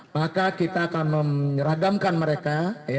maka kita akan menyeragamkan mereka